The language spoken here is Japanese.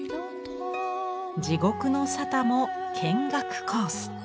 地獄の沙汰も見学コース。